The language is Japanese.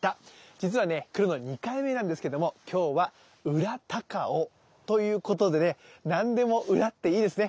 じつはね来るの２回目なんですけども今日は裏高尾ということでね何でも裏っていいですね。